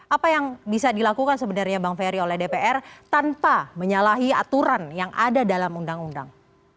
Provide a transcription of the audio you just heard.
apa yang bisa dilakukan sebenarnya bang ferry oleh dpr tanpa menyalahi aturan yang ada dalam undang undang